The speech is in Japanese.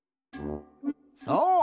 そう！